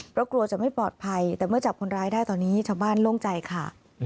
เพราะกลัวจะไม่ปลอดภัยแต่เมื่อจับคนร้ายได้ตอนนี้ชาวบ้านโล่งใจค่ะ